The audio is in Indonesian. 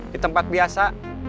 di tempat biasa